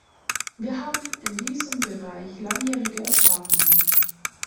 Wir haben in diesem Bereich langjährige Erfahrungen.